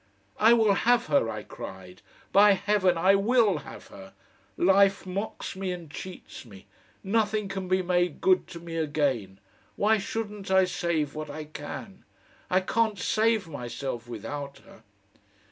"I will have her," I cried. "By Heaven! I WILL have her! Life mocks me and cheats me. Nothing can be made good to me again.... Why shouldn't I save what I can? I can't save myself without her...."